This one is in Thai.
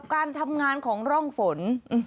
การทำงานของร่องฝน